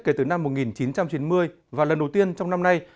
kể từ năm một nghìn chín trăm chín mươi và lần đầu tiên trong năm nay